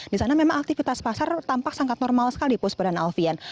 di sana memang aktivitas pasar tampak sangat normal sekali pusperan alfian